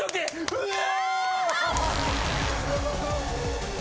うわ！